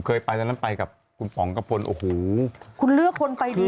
ใจดีอะไรอย่างนี้สี